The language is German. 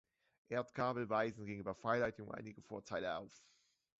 Erdkabel weisen gegenüber Freileitungen einige Vorteile auf.